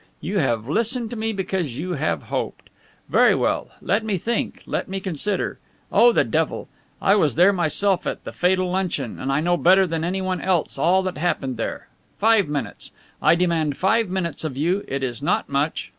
You have listened to me because you have hoped! Very well, let me think, let me consider. Oh, the devil! I was there myself at the fatal luncheon, and I know better than anyone else all that happened there. Five minutes! I demand five minutes of you; it is not much.